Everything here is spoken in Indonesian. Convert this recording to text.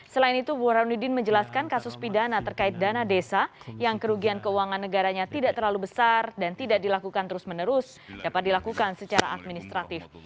selain itu bu harauddin menjelaskan kasus pidana terkait dana desa yang kerugian keuangan negaranya tidak terlalu besar dan tidak dilakukan terus menerus dapat dilakukan secara administratif